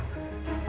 papa tahu dari mana